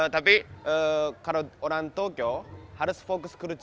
tapi kalau orang tokyo harusnya mereka tinggal di jogja